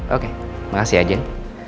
oke makasih ya jen